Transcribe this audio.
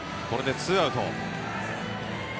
これでツーアウト。